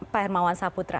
pak hermawan saputra